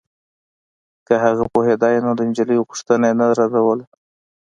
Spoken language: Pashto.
که هغه پوهېدای نو د نجلۍ غوښتنه يې نه ردوله.